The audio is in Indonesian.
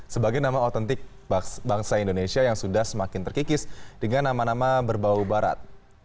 sebagai nama autentik bangsa indonesia yang sudah semakin terkikis dengan nama nama berbau barat